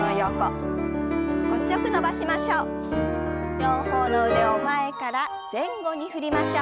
両方の腕を前から前後に振りましょう。